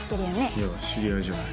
いや知り合いじゃない。